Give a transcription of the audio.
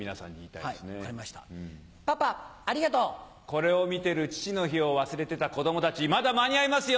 これを見てる父の日を忘れてた子供たちまだ間に合いますよ！